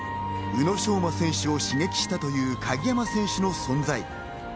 宇野昌磨選手を刺激したという鍵山選手の存在。